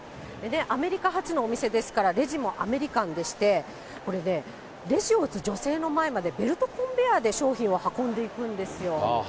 アメリカ発のお店ですから、レジもアメリカンでして、これね、レジを打つ女性の前までベルトコンベアーで商品を運んでいくんですよ。